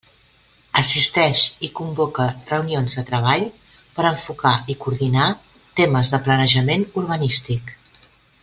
Assisteix i convoca reunions de treball per enfocar i coordinar temes de planejament urbanístic.